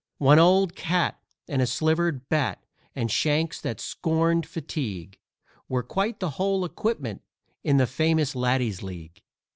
"One Old Cat" and a slivered bat and shanks that scorned fatigue Were quite the whole equipment in the famous Laddies' League.